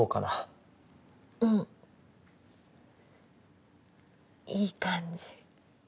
うんいい感じ。